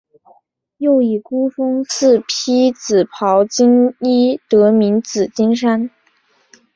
又以孤峰似披紫袍金衣得名紫金山。